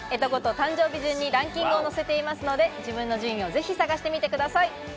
誕生日順にランキングを載せていますので、自分の順位をぜひ探してみてください。